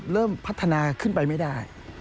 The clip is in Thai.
เริ่มพัฒนาขึ้นไปไม่ได้